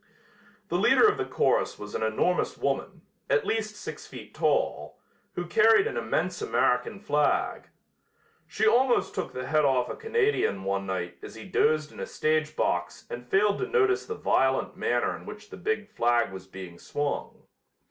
The leader of the chorus was an enormous woman, at least six feet tall, who carried an immense American flag. She almost took the head off a Canadian one night as he dozed in a stage box and failed to notice the violent manner in which the big flag was being swung.